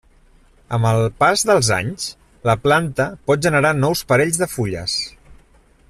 Amb el pas dels anys, la planta pot generar nous parells de fulles.